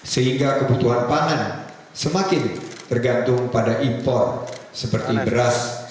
sehingga kebutuhan pangan semakin tergantung pada impor seperti beras